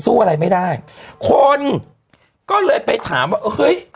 สู้อะไรไม่ได้คนก็เลยไปถามว่าเฮ้ย